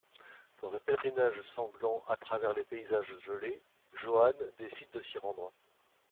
Dans un pèlerinage sanglant à travers les paysages gelés, Joan décide de s'y rendre.